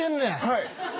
はい。